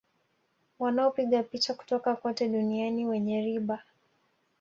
Wanaopiga picha kutoka kote duniani wenye riba